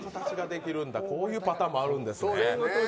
こういうパターンもあるんですね。